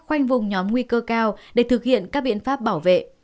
khoanh vùng nhóm nguy cơ cao để thực hiện các biện pháp bảo vệ